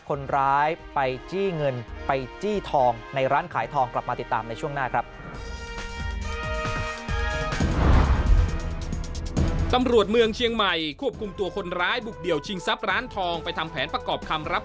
คนร้ายไปจี้เงินไปจี้ทองในร้านขายทองกลับมาติดตามในช่วงหน้าครับ